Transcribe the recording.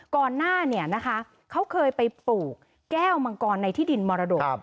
ก่อนหน้าเนี่ยนะคะเขาเคยไปปลูกแก้วมังกรในที่ดินมรดก